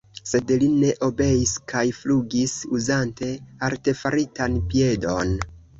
Sed li ne obeis kaj flugis, uzante artefaritan piedon.